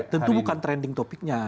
tentu bukan trending topicnya